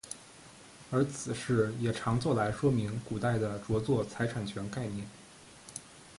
而此事也常作来说明古代的着作财产权概念。